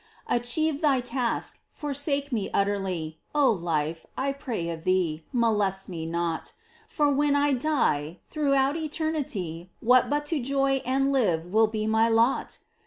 Achieve thy task — forsake me utterly ! O Life, I pray of thee, molest me not ! For when I die, throughout eternity What but to joy and live will be my lot